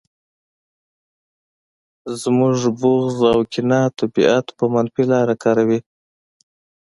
زموږ بغض او کینه طبیعت په منفي لاره کاروي